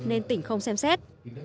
nên tỉnh không xem xét